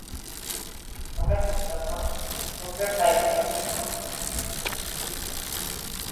Fahad Mustafa motor سائیکلوں کے ساتھ ہیلمٹ دینا بھی شروع کردیں